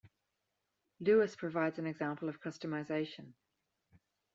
Lewis provides an example of customization.